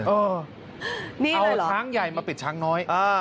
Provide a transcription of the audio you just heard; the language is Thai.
เออเอาช้างใหญ่มาปิดช้างน้อย